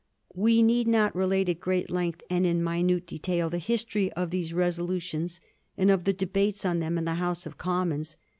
We need not relate at great length and in minute detail the history of these resolutions and of the debates on them in the House of Commons.